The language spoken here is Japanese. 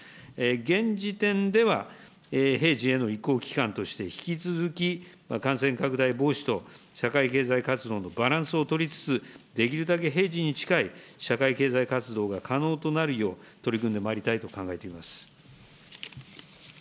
現時点では、平時への移行期間として、引き続き感染拡大防止と社会経済活動のバランスを取りつつ、できるだけ平時に近い社会経済活動が可能となるよう、取り組んでまいりたいと考えています。